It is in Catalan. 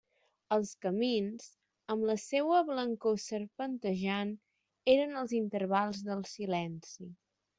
Els camins, amb la seua blancor serpentejant, eren els intervals del silenci.